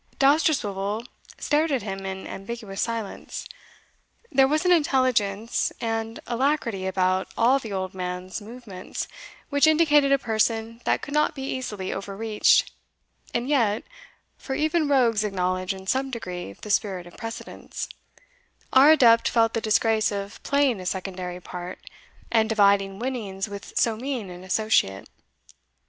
Dousterswivel stared at him in ambiguous silence. There was an intelligence and alacrity about all the old man's movements, which indicated a person that could not be easily overreached, and yet (for even rogues acknowledge in some degree the spirit of precedence) our adept felt the disgrace of playing a secondary part, and dividing winnings with so mean an associate.